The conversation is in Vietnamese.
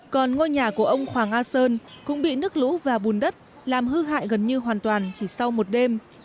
còn ngôi nhà của ông khoảng a sơn cũng bị nước lũ và bùn đất làm hư hại gần như hoàn toàn chỉ sau một đêm